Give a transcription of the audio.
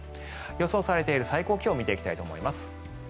予想されている最高気温見ていきたいと思います。